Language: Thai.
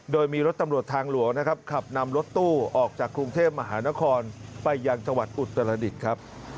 โดยมีรถตำรวจทางหลวงนะครับขับนำรถตู้ออกจากกรุงเทพมหานครไปยังจังหวัดอุตรดิษฐ์ครับ